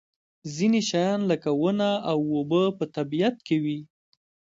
ځینې شیان لکه ونه او اوبه په طبیعت کې وي.